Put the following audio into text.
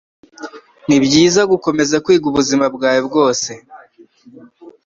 Nibyiza gukomeza kwiga ubuzima bwawe bwose.